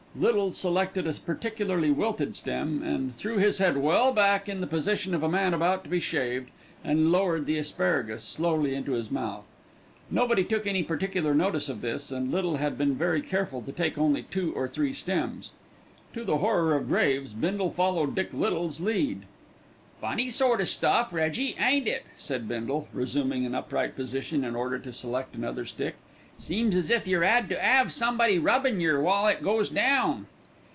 Little selected a particularly wilted stem and threw his head well back in the position of a man about to be shaved, and lowered the asparagus slowly into his mouth. Nobody took any particular notice of this, and Little had been very careful to take only two or three stems. To the horror of Graves, Bindle followed Dick Little's lead. "Funny sort o' stuff, Reggie, ain't it?" said Bindle, resuming an upright position in order to select another stick. "Seems as if yer 'ad to 'ave somebody rubbin' yer while it goes down."